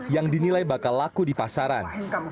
yang dinilai bakal laku di pasaran